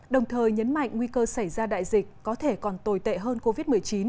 đồng thời nhấn mạnh nguy cơ xảy ra đại dịch có thể còn tồi tệ hơn covid một mươi chín